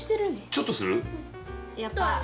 ちょっとする？